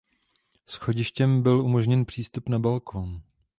Schodištěm byl umožněn přístup na balkón.